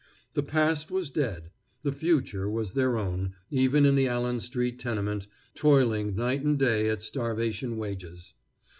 The past was dead; the future was their own, even in the Allen street tenement, toiling night and day at starvation wages.